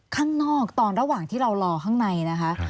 ข้างนอกตอนระหว่างที่เรารอข้างในนะคะ